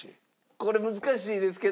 これ難しいですけど。